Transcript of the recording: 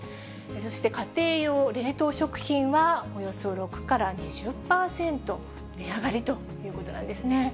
そして家庭用冷凍食品は、およそ６から２０％値上がりということなんですね。